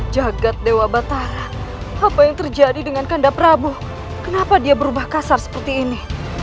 jagad dewa batara apa yang terjadi dengan kandaprabu kenapa dia berubah kasar seperti ini